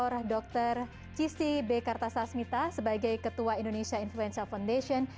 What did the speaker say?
profesor doktor dr cisti b kartasasmita sebagai ketua indonesia influenza foundation